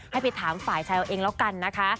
ให้ไปถามฝ่ายชายเอาเองแล้วกันนะคะ